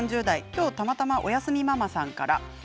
きょうたまたまお休みママさんからです。